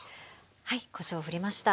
はいこしょうふりました。